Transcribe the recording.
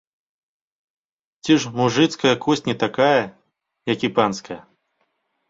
Ці ж мужыцкая косць не такая, як і панская?